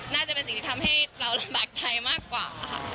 น่าจะเป็นสิ่งที่ทำให้เราลำบากใจมากกว่าค่ะ